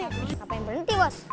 ngapain berhenti bos